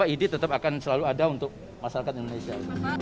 ide tetap akan selalu ada untuk masyarakat indonesia